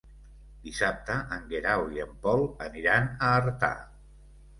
Dissabte en Guerau i en Pol aniran a Artà.